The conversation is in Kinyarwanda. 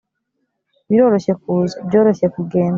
biroroshye kuza, byoroshye kugenda